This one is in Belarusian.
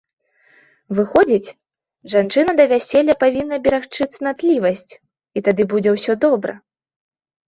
Выходзіць, жанчына да вяселля павінна берагчы цнатлівасць і тады будзе ўсё добра.